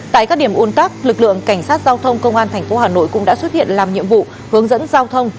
tại các điểm ồn tắc lực lượng cảnh sát giao thông công an thành phố hà nội cũng đã xuất hiện làm nhiệm vụ hướng dẫn giao thông